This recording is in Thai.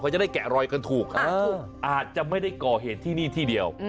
จะได้แกะรอยกันถูกอาจจะไม่ได้ก่อเหตุที่นี่ที่เดียว